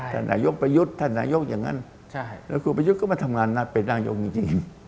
ท่านนายกประยุทธ์ท่านนายกอย่างนั้นแล้วครูประยุทธ์ก็มาทำงานนัดเป็นนายกจริง